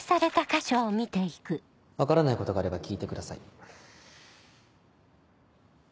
分からないことがあれば聞いてください。